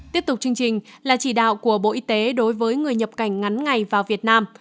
tiếp tục chương trình là chỉ đạo của bộ y tế đối với người nhập cảnh ngắn ngày vào việt nam